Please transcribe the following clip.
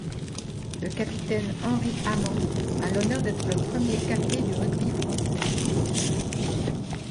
Le capitaine Henri Amand a l'honneur d'être le premier capé du rugby français.